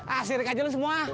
ah sirik aja lu semua